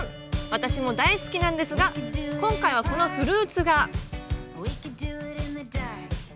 私も大好きなんですが今回はこのフルーツが。